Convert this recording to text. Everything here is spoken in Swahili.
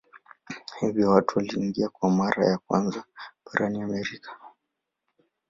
Hivyo watu waliingia kwa mara ya kwanza barani Amerika.